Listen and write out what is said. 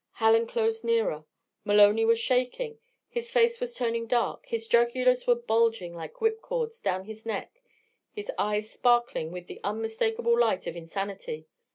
Hallen closed nearer. Maloney was shaking. His face was turning dark, his jugulars were bulging like whip cords down his neck, his eyes sparkling with the unmistakable light of insanity.